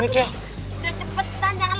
deket deket sama anak aku